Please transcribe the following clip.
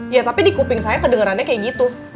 ya tapi di kuping saya kedengerannya kayak gitu